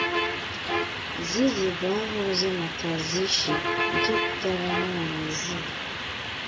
Xizi bụ aha ọzọ maka Xi Shi, nke pụtara Nwanyị Xi.